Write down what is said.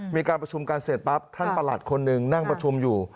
มีการประชุมกันเสร็จปั๊บท่านประหลัดคนหนึ่งนั่งประชุมอยู่